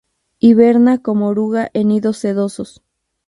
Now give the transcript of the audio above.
Hiberna como oruga en nidos sedosos.